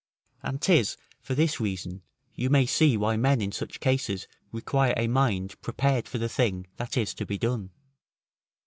And 'tis for this reason you may see why men in such cases require a mind prepared for the thing that is to be done.